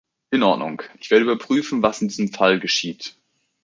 In Ordnung, ich werde überprüfen, was in diesem Fall geschieht.